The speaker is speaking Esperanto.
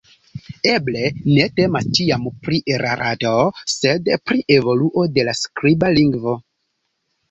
Eble ne temas ĉiam pri erarado, sed pri evoluo de la skriba lingvo.